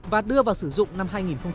và đưa vào sử dụng năm hai nghìn một mươi chín